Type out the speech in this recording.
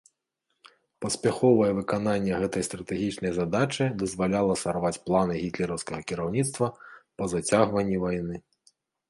Паспяховае выкананне гэтай стратэгічнай задачы дазваляла сарваць планы гітлераўскага кіраўніцтва па зацягванні вайны.